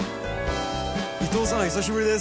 伊藤さん久しぶりです。